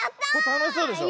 たのしそうでしょ。